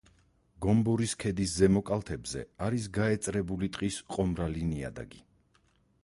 გომბორის ქედის ზემო კალთებზე არის გაეწრებული ტყის ყომრალი ნიადაგი.